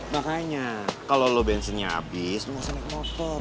makanya kalo lo bensinnya abis lo gak usah naik motor